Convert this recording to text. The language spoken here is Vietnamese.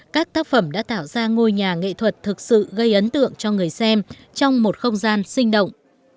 các tác phẩm đã tạo ra ngôi nhà nghệ thuật thực sự gây ấn tượng cho người xem trong một không gian sinh động